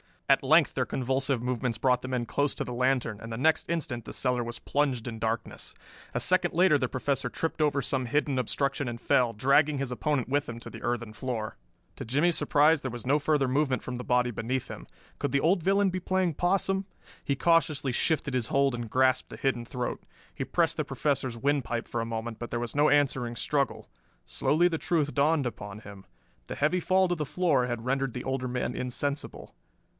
At length their convulsive movements brought the men close to the lantern, and the next instant the cellar was plunged in darkness. A second later the Professor tripped over some hidden obstruction and fell, dragging his opponent with him to the earthen floor. To Jimmie's surprise there was no further movement from the body beneath him. Could the old villain be playing possum? He cautiously shifted his hold and grasped the hidden throat. He pressed the Professor's windpipe for a moment, but there was no answering struggle. Slowly the truth dawned upon him. The heavy fall to the floor had rendered the older man insensible.